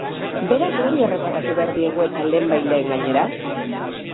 Beraz nori erreparatu behar diegu eta lehen baitlehen gainera?